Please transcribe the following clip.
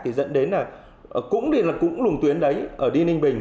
thì dẫn đến là cũng đi là cũng lùng tuyến đấy đi ninh bình